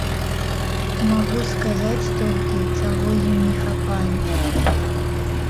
Магу сказаць толькі, чаго ім не хапае.